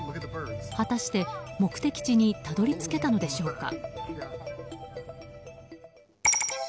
果たして目的地にたどり着けたのでしょうか。